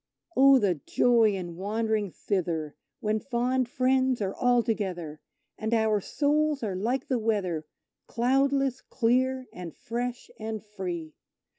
Oh, the joy in wandering thither, when fond friends are all together And our souls are like the weather cloudless, clear and fresh and free!